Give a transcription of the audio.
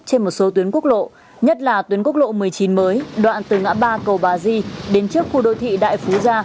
trên một số tuyến quốc lộ nhất là tuyến quốc lộ một mươi chín mới đoạn từ ngã ba cầu bà di đến trước khu đô thị đại phú gia